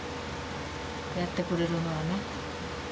やってくれるならね。